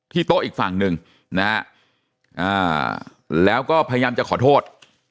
โต๊ะอีกฝั่งหนึ่งนะฮะแล้วก็พยายามจะขอโทษ